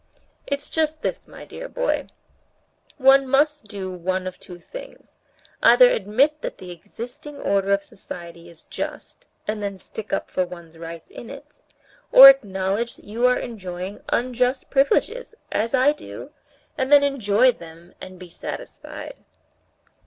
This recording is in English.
"It's just this, my dear boy. One must do one of two things: either admit that the existing order of society is just, and then stick up for one's rights in it; or acknowledge that you are enjoying unjust privileges, as I do, and then enjoy them and be satisfied."